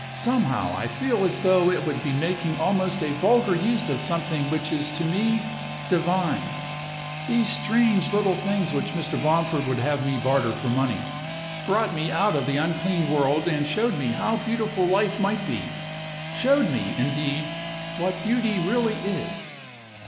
"Somehow, I feel as though it would be making almost a vulgar use of something which is to me divine. These strange little things which Mr. Bomford would have me barter for money, brought me out of the unclean world and showed me how beautiful life might be showed me, indeed, what beauty really is.